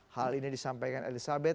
hal ini disampaikan elizabeth